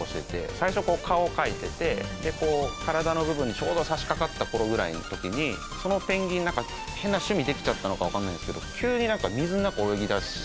最初こう顔を描いててでこう体の部分にちょうど差しかかった頃ぐらいの時にそのペンギンなんか変な趣味できちゃったのかわかんないんですけど。